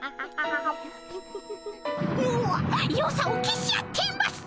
のわっよさを消し合っています。